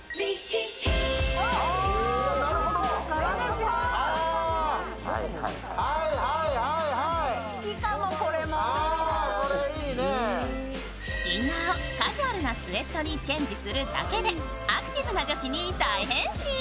インナーをカジュアルなスエットにチェンジするだけでアクティブな女子に大変身。